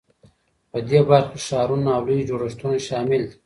په دې برخه کې ښارونه او لوی جوړښتونه شامل دي.